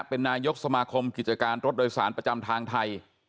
เป็นนายกสมาคมกิจการรถโดยสารประจำทางไทย